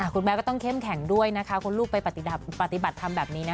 คุณแม่ก็ต้องเข้มแข็งด้วยนะคะคุณลูกไปปฏิบัติธรรมแบบนี้นะคะ